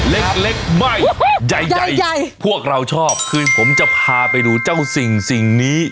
เล็กเล็กไม่ใหญ่ใหญ่พวกเราชอบคือผมจะพาไปดูเจ้าสิ่งสิ่งนี้